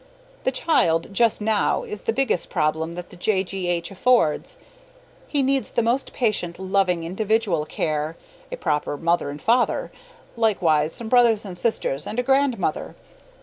The child just now is the biggest problem that the J. G. H. affords. He needs the most patient, loving, individual care a proper mother and father, likewise some brothers and sisters and a grandmother.